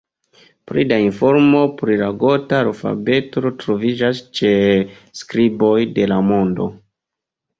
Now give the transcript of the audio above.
Pli da informo pri la gota alfabeto troviĝas ĉe Skriboj de la Mondo.